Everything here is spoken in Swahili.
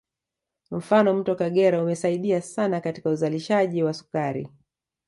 Mfano mto Kagera umesaidia sana katika uzalishaji wa sukari